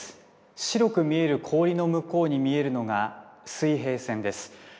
白く見える氷の向こうに見えるのが水平線です。